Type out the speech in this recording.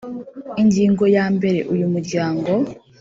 Ingingo ya mbere uyu muryango